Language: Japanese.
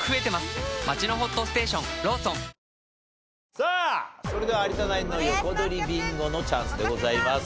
さあそれでは有田ナインの横取りビンゴのチャンスでございます。